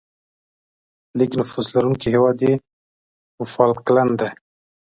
لیږ نفوس لرونکی هیواد یې وفالکلند دی.